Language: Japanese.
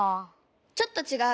ちょっとちがう。